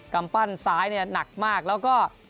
กำปั้นซ้ายเนี่ยหนักมากแล้วก็